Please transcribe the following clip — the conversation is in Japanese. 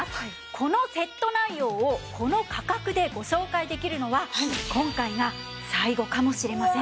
このセット内容をこの価格でご紹介できるのは今回が最後かもしれません。